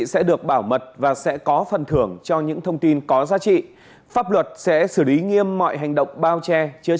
xin chào tạm biệt